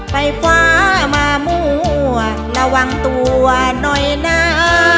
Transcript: ไฟฟ้ามามั่วระวังตัวหน่อยนะ